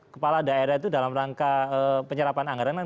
kepala daerah itu dalam rangka penyerapan anggaran